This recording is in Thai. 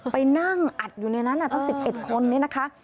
ไปนั่งอัดอยู่ในนั้นตั้ง๑๑คนนี้นะคะ